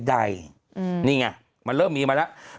ใดนี่ไงมันเริ่มมีมาแล้ว